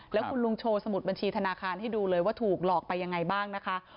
แล้วคุณลุงโชว์สมุดบัญชีธนาคารให้ดูเลยว่าถูกหลอกไปยังไงบ้างนะคะ